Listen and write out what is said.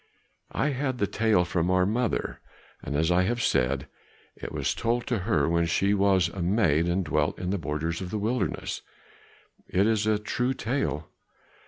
I had the tale from our mother. As I have said, it was told to her when she was a maid and dwelt in the borders of the wilderness; it is a true tale.